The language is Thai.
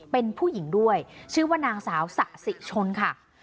เป็นผู้หญิงด้วยชื่อว่านางสาวสะสิชนค่ะ